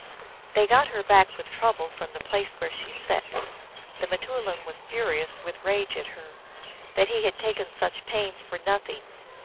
They got her back with trouble from the place where she sat. The m teoulin was furious with rage at her, that he had taken such pains for nothing.